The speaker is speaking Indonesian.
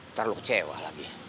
ntar lo kecewa lagi